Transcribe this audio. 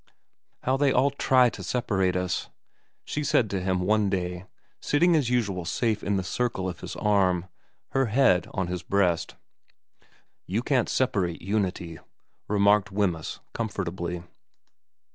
* How they all try to separate us,' she said to him one day, sitting as usual safe in the circle of his arm, her head on his breast. ' You can't separate unity,' remarked Wemyss comfortably.